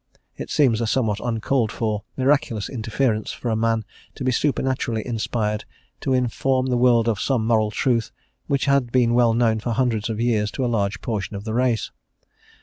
It seems a somewhat uncalled for miraculous interference for a man to be supernaturally inspired to inform the world of some moral truth which had been well known for hundreds of years to a large portion of the race.